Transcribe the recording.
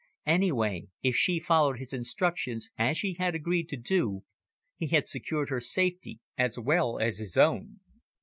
Anyway, if she followed his instructions, as she had agreed to do, he had secured her safety as well as his own.